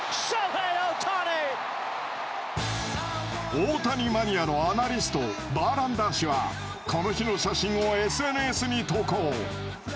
大谷マニアのアナリストバーランダー氏はこの日の写真をＳＮＳに投稿。